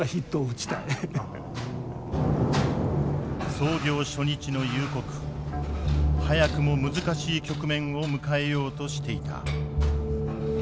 操業初日の夕刻早くも難しい局面を迎えようとしていた。